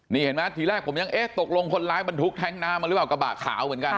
นี่เห็นไหมทีแรกผมยังเอ๊ะตกลงคนร้ายบรรทุกแท้งน้ำมาหรือเปล่ากระบะขาวเหมือนกัน